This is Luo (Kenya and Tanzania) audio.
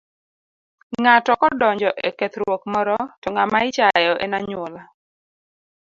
Ng'ato kodonjo e kethruok moro to ng'ama ichayo en anyuola.